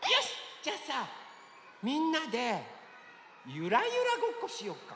じゃあさみんなでゆらゆらごっこしよっか。